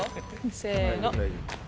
せの。